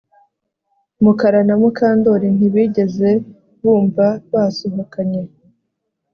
Mukara na Mukandoli ntibigeze bumva basohokanye